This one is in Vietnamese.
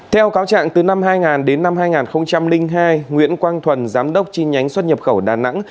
theo cáo trạng từ năm hai nghìn đến năm hai nghìn hai nguyễn quang thuần giám đốc chi nhánh xuất nhập khẩu đà nẵng